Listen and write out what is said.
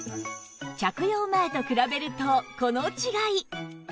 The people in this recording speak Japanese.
着用前と比べるとこの違い！